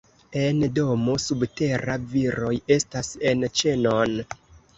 En domo subtera, viroj estas en ĉenon.